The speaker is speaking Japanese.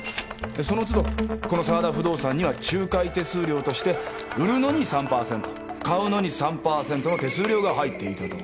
そのつどこの澤田不動産には仲介手数料として売るのに３パーセント買うのに３パーセントの手数料が入っていたと。